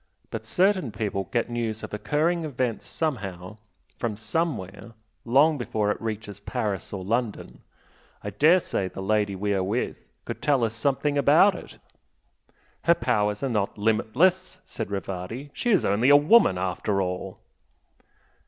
But certain people get news of occurring events somehow, from somewhere, long before it reaches Paris or London. I dare say the lady we are with could tell us something about it." "Her powers are not limitless!" said Rivardi "She is only a woman after all!"